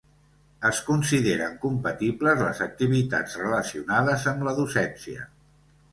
Es consideren compatibles les activitats relacionades amb la docència.